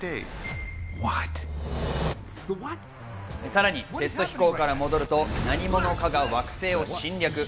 さらにテスト飛行から戻ると何者かが惑星を侵略。